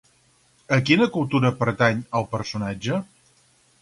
A quina cultura pertany el personatge?